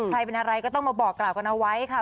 ใครเป็นอะไรก็ต้องมาบอกกล่าวกันเอาไว้ค่ะ